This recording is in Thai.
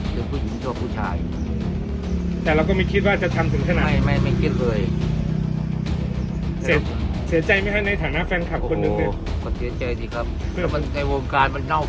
คือผู้หญิงชอบผู้ชายแต่เราก็ไม่คิดว่าจะทำสินเท่านั้น